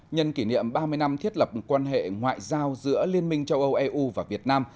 nhân kỷ niệm ba mươi năm thiết lập quan hệ ngoại giao giữa liên minh châu âu eu và việt nam